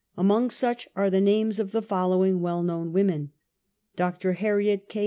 Among such are the names of the following: well known women : Dr. Harriet K.